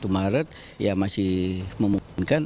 dua puluh satu maret ya masih memungkinkan